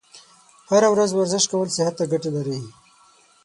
هره ورځ ورزش کول صحت ته ګټه لري.